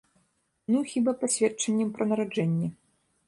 Ну, хіба, пасведчаннем пра нараджэнне.